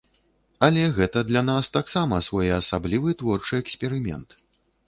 Але гэта для нас таксама своеасаблівы творчы эксперымент.